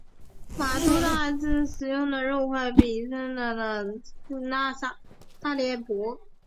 马都拉沙嗲使用的肉块比其他沙嗲薄。